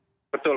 baik pak ketut